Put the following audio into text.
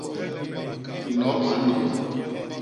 Nop a nno.